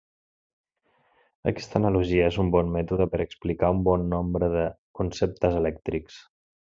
Aquesta analogia és un bon mètode per explicar un bon nombre de conceptes elèctrics.